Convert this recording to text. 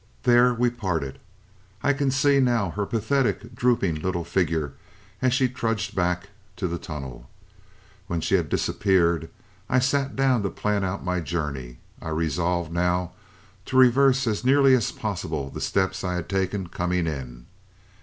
There we parted. I can see, now, her pathetic, drooping little figure as she trudged back to the tunnel. "When she had disappeared, I sat down to plan out my journey. I resolved now to reverse as nearly as possible the steps I had taken coming in.